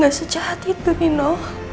tapi aku gak sejahat itu nino